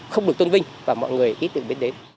không được tôn vinh và mọi người ít được biết đến